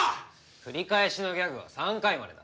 繰り返しのギャグは３回までだ。